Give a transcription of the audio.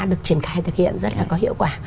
được triển khai thực hiện rất là có hiệu quả